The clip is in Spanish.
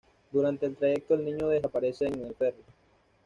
Durante el trayecto el niño desaparece en el ferry.